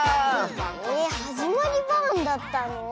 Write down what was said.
えっ「はじまりバーン」だったの？